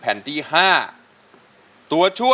เพลงนี้ที่๕หมื่นบาทแล้วน้องแคน